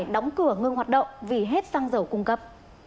đóng cửa ngưng hoạt động vì hết xăng dầu cung cấp